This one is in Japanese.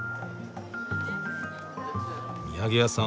土産屋さん